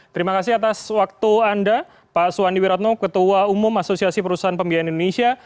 terima kasih atas waktu anda pak suwandi wiratno ketua umum asosiasi perusahaan pembiayaan indonesia